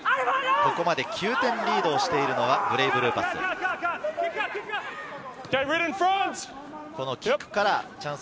ここまで９点リードをしてるのがブレイブルーパス。